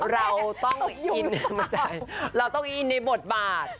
เราต้องอินในบทบาท